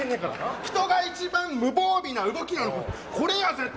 人が一番無防備な動きなのが、これや、絶対。